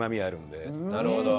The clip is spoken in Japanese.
なるほど。